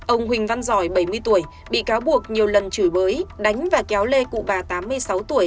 ông huỳnh văn giỏi bảy mươi tuổi bị cáo buộc nhiều lần chửi bới đánh và kéo lê cụ bà tám mươi sáu tuổi